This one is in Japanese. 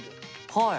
はい！